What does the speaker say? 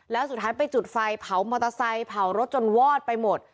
แล้วสุดท้ายไปจุดไฟเผามอเตอร์ไซค์เผารถจนวอดไปหมด